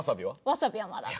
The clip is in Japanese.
わさびはまだ。